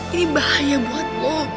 ini bahaya buat lo